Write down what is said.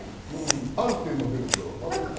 あるっていうのはどういうことだろう。